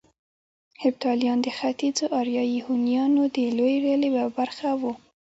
هېپتاليان د ختيځو اریایي هونيانو د لويې ډلې يوه برخه وو